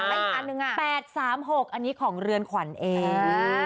อีกอันหนึ่ง๘๓๖อันนี้ของเรือนขวัญเอง